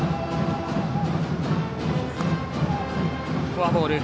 フォアボール。